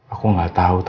aku gak tahu tante